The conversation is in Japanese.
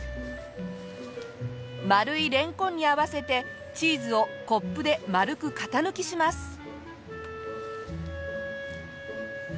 丸いれんこんに合わせてチーズをコップで丸く型抜きします。